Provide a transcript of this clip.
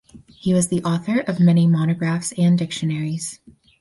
He was the author of many monographs and dictionaries.